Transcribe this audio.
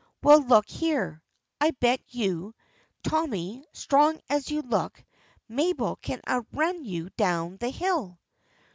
Well, look here. I bet you, Tommy, strong as you look, Mabel can outrun you down the hill."